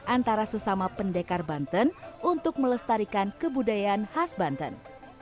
antara sesama pendekar banten untuk melestarikan kebudayaan khas banten